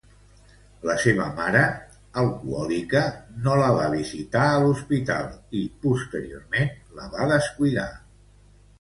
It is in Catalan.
La seva mare, alcohòlica, no la va visitar a l'hospital i, posteriorment, la va descuidar.